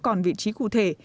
còn vị trí cụ thể